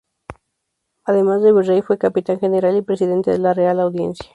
Además de Virrey, fue Capitán General y Presidente de la Real Audiencia.